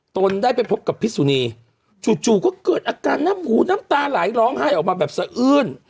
ตนได้ไปพบกับพิสุนีจู่ก็เกิดอาการน้ำหูน้ำตาไหลร้องไห้ออกมาแบบสะอื้น